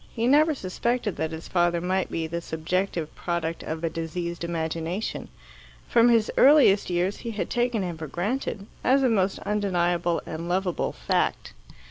He never suspected that his father might be the subjective product of a diseased imagination. From his earliest years he had taken him for granted, as a most undeniable and lovable fact.